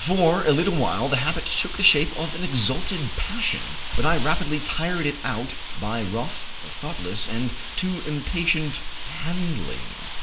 For a little while the habit took the shape of an exalted passion, but I rapidly tired it out by rough, thoughtless, and too impatient handling.